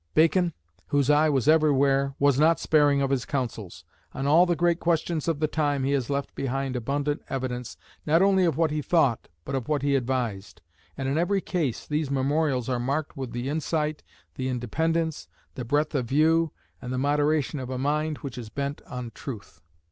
Bacon, whose eye was everywhere, was not sparing of his counsels. On all the great questions of the time he has left behind abundant evidence, not only of what he thought, but of what he advised. And in every case these memorials are marked with the insight, the independence, the breadth of view, and the moderation of a mind which is bent on truth.